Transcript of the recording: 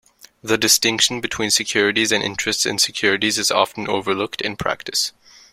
The distinction between securities and interests in securities is often overlooked in practice.